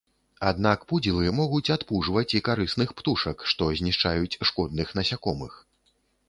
Аднак пудзілы могуць адпужваць і карысных птушак, што знішчаюць шкодных насякомых.